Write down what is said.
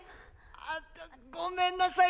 あっとごめんなさい